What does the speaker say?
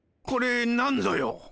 これなんぞよ？